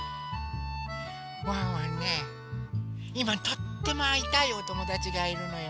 ワンワンねいまとってもあいたいおともだちがいるのよ。